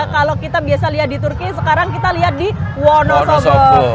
kalau kita biasa lihat di turki sekarang kita lihat di wonosobo